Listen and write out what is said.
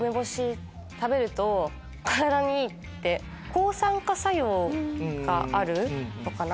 抗酸化作用があるのかな。